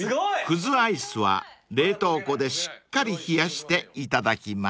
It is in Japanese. ［葛アイスは冷凍庫でしっかり冷やしていただきます］